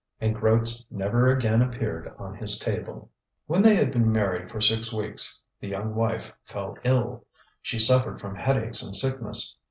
And groats never again appeared on his table. When they had been married for six weeks, the young wife fell ill. She suffered from headaches and sickness.